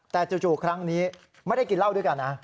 แต่จู่ครั้งนี้ไม่ได้กินเหล้าด้วยกันนะ